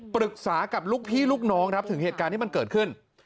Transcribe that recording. ปรึกษากับลูกพี่ลูกน้องครับถึงเหตุการณ์ที่มันเกิดขึ้น